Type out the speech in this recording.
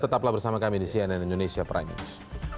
tetaplah bersama kami di cnn indonesia prime news